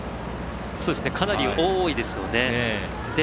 かなり多いですよね。